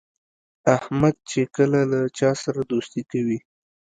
احمد چې کله له چا سره دوستي کوي،